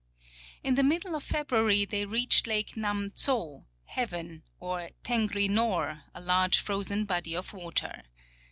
In the middle of February they reached lake Nam tso (" heaven "), or Tengri nor, a large frozen body of water.